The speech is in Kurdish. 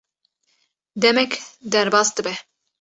demek derbas dibe;